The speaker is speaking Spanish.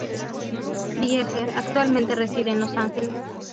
Krieger actualmente reside en Los Ángeles.